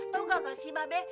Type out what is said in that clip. tau gak gak sih ba be